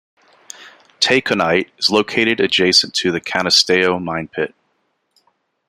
Taconite is located adjacent to the Cannisteo mine pit.